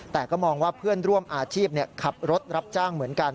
แต่ก็มองว่าเพื่อนร่วมอาชีพขับรถรับจ้างเหมือนกัน